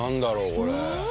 これ。